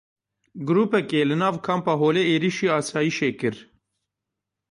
Grûpekê li nav kampa Holê êrişî asayişê kir.